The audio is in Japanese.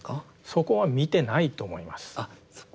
そこは見てないと思います。